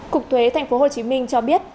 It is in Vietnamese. cục thuế tp hcm cho biết